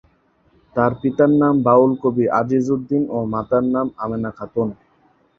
তার পিতার নাম বাউল কবি আজিজ উদ্দিন ও মাতার নাম আমেনা খাতুন।